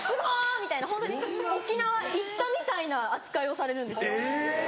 みたいなホントに沖縄行ったみたいな扱いをされるんですよ。